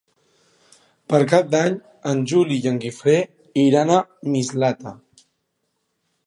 Per Cap d'Any en Juli i en Guifré iran a Mislata.